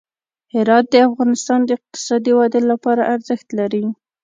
هرات د افغانستان د اقتصادي ودې لپاره ارزښت لري.